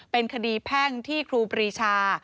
เป็นคดีแพ่งที่ครูปรีชา